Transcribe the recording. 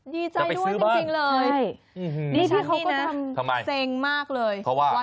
ได้ดูแลเขาได้ดีกว่าเดิม